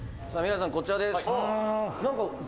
「さあ皆さんこちらです」